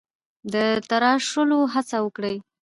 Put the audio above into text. د تراشلو هڅه کړې: